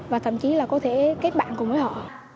và thậm chí là có thể kết bạn cùng với họ